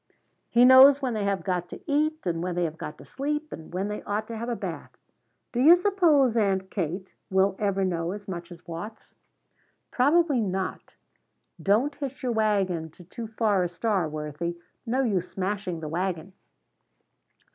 He knows when they have got to eat and when they have got to sleep, and when they ought to have a bath. Do you suppose, Aunt Kate, we'll ever know as much as Watts?" "Probably not. Don't hitch your wagon to too far a star, Worthie. No use smashing the wagon."